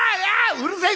うるせえ